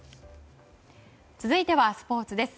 続いてはスポーツです。